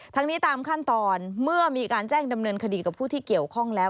ทั้งนี้ตามขั้นตอนเมื่อมีการแจ้งดำเนินคดีกับผู้ที่เกี่ยวข้องแล้ว